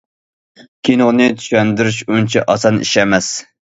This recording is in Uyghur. كىنونى چۈشەندۈرۈش ئۇنچە ئاسان ئىش ئەمەس.